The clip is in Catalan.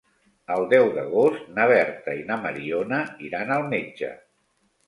El deu d'agost na Berta i na Mariona iran al metge.